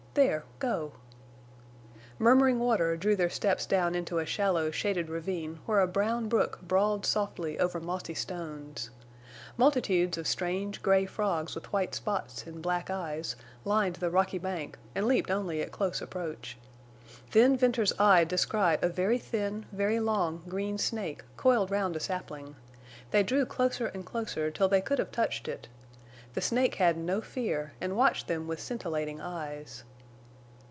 There—go." Murmuring water drew their steps down into a shallow shaded ravine where a brown brook brawled softly over mossy stones. Multitudes of strange, gray frogs with white spots and black eyes lined the rocky bank and leaped only at close approach. Then Venters's eye descried a very thin, very long green snake coiled round a sapling. They drew closer and closer till they could have touched it. The snake had no fear and watched them with scintillating eyes.